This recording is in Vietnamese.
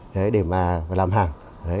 để mà làm hàng